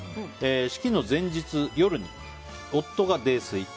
式の前日夜に夫が泥酔。